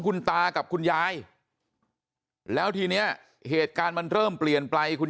คุณตากับคุณยายแล้วทีเนี้ยเหตุการณ์มันเริ่มเปลี่ยนไปคุณ